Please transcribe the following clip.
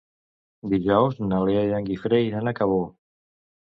Dijous na Lea i en Guifré iran a Cabó.